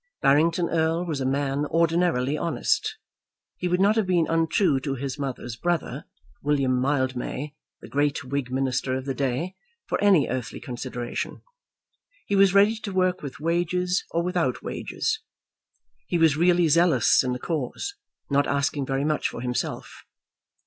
Barrington Erle was a man ordinarily honest. He would not have been untrue to his mother's brother, William Mildmay, the great Whig Minister of the day, for any earthly consideration. He was ready to work with wages or without wages. He was really zealous in the cause, not asking very much for himself.